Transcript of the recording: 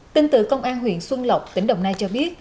tin từ công an huyện xuân lộc tỉnh đồng nai cho biết